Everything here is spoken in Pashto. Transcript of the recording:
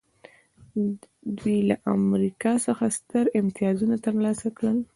دوی له امریکا څخه ستر امتیازونه ترلاسه کړل